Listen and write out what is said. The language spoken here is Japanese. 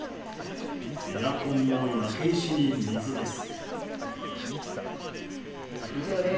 エアコンも焼け石に水です。